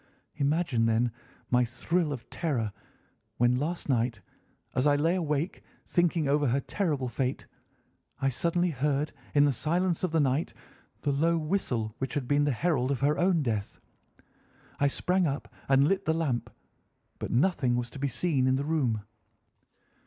Imagine, then, my thrill of terror when last night, as I lay awake, thinking over her terrible fate, I suddenly heard in the silence of the night the low whistle which had been the herald of her own death. I sprang up and lit the lamp, but nothing was to be seen in the room.